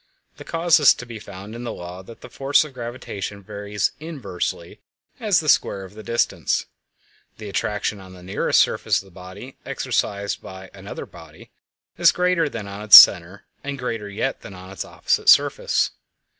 The cause is to be found in the law that the force of gravitation varies inversely as the square of the distance; the attraction on the nearest surface of the body exercised by another body is greater than on its center, and greater yet than on its opposite surface.